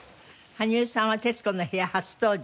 羽生さんは『徹子の部屋』初登場。